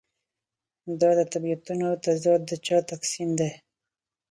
دا د طبیعتونو تضاد د چا تقسیم دی.